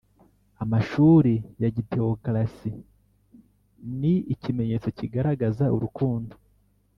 Amashuri ya gitewokarasi Ni ikimenyetso kigaragaza urukundo